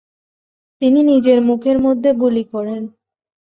তিনি নিজের মুখের মধ্যে গুলি করেন।